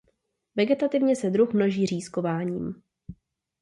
Vegetativně se druh množí řízkováním.